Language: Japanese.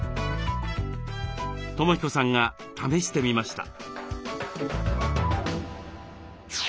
友彦さんが試してみました。